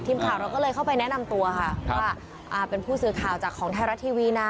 ทีมข่าวเราก็เลยเข้าไปแนะนำตัวค่ะว่าอ่าเป็นผู้สื่อข่าวจากของไทยรัฐทีวีนะ